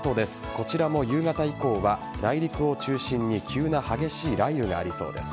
こちらも夕方以降は内陸を中心に急な激しい雷雨がありそうです。